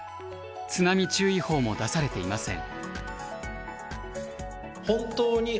津波注意報も出されていません。